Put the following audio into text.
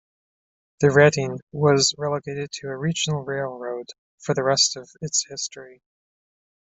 The Reading was relegated to a regional railroad for the rest of its history.